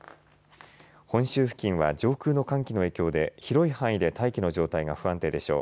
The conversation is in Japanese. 本州付近は上空の寒気の影響で広い範囲で大気の状態が不安定でしょう。